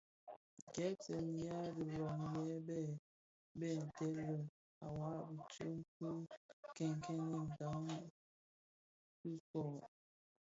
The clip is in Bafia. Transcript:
Gèpsèn ya i dhi loň lè bè dheb ndhèli wa bi tsom ki kènènkenen ndhan dhikō.